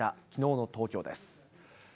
きのうの東京です。